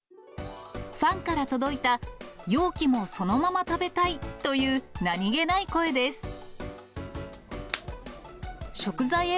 ファンから届いた、容器もそのまま食べたいという何気ない声です。